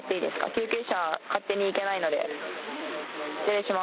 救急車、勝手に行けないので。